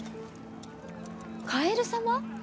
カエル様？